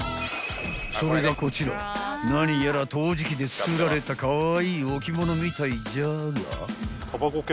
［それがこちら何やら陶磁器で作られたカワイイ置物みたいじゃが］